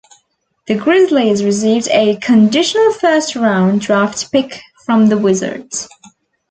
The Grizzlies received a conditional first round draft pick from the Wizards.